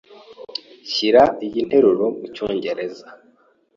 Shyira iyi nteruro mucyongereza.